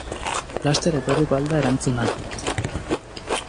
Laster etorriko ahal da erantzuna!